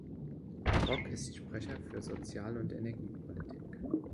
Rock ist Sprecher für Sozial- und Energiepolitik.